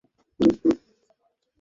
সে নাচতে চায়।